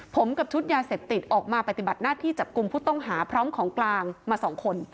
ผมกับชุดยาเสพติดออกมาปฏิบัติหน้าที่จับกลุ่มผู้ต้องหาพร้อมของกลางมา๒คน